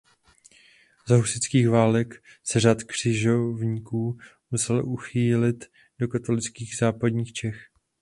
Za husitských válek se Řád křižovníků musel uchýlit do katolických západních Čech.